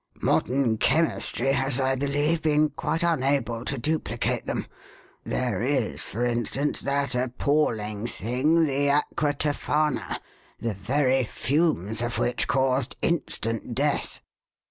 "Modern chemistry has, I believe, been quite unable to duplicate them. There is, for instance, that appalling thing the aqua tofana, the very fumes of which caused instant death."